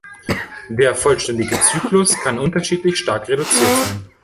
Der vollständige Zyklus kann unterschiedlich stark reduziert sein.